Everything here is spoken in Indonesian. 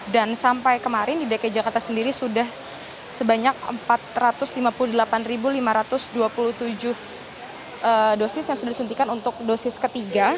dan sampai kemarin di dki jakarta sendiri sudah sebanyak empat ratus lima puluh delapan lima ratus dua puluh tujuh dosis yang sudah disuntikan untuk dosis ketiga